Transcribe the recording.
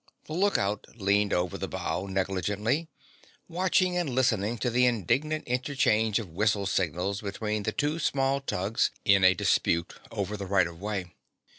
The lookout leaned over the bow negligently, watching and listening to the indignant interchange of whistle signals between two small tugs in a dispute over the right of way.